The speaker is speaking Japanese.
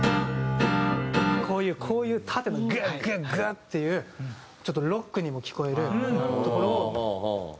こういうこういう縦のグッグッグッ！っていうちょっとロックにも聴こえるところもなんか。